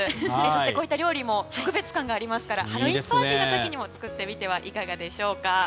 こういった料理も特別感がありますからハロウィーンパーティーに作ってみてはいかがでしょうか。